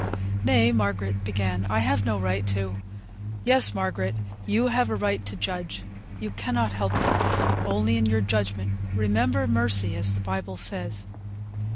"Nay," Margaret began, "I have no right to " "Yes, Margaret, you have a right to judge; you cannot help it; only in your judgment remember mercy, as the Bible says.